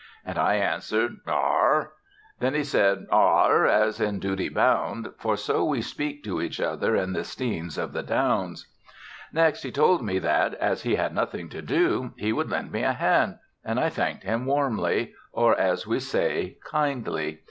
And I answered, "Ar." Then he also said "Ar," as in duty bound; for so we speak to each other in the Stenes of the Downs. Next he told me that, as he had nothing to do, he would lend me a hand; and I thanked him warmly, or, as we say, "kindly."